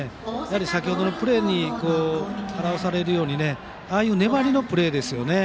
先程のプレーに表されるようにああいう粘りのプレーですね。